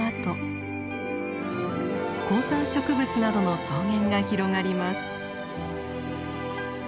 高山植物などの草原が広がります。